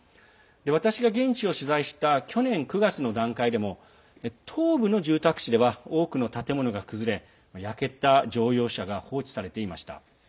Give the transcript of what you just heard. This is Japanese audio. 私が現地を取材した去年９月の段階でも東部の住宅地では多くの建物が崩れ焼けた乗用車が放置されていました。